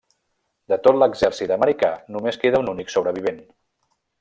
De tot l'exèrcit americà només queda un únic sobrevivent.